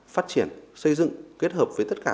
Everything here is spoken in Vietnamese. phát triển xây dựng kết hợp với tất cả